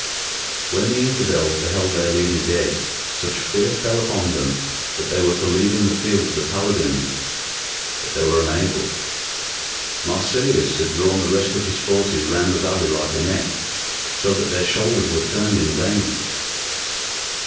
When the infidels beheld their leader dead such fear fell upon them that they were for leaving the field to the paladins, but they were unable. Marsilius had drawn the rest of his forces round the valley like a net, so that their shoulders were turned in vain.